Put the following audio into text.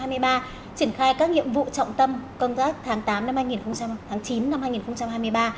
triển khai các nhiệm vụ trọng tâm công tác tháng chín năm hai nghìn hai mươi ba